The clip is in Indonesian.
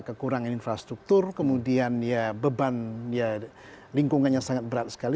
kekurangan infrastruktur kemudian ya beban lingkungannya sangat berat sekali